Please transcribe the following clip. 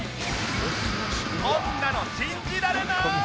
こんなの信じられない！